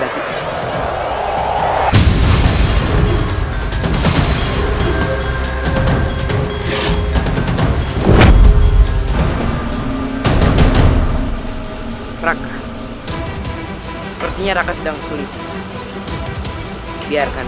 dan menggunakan cara lain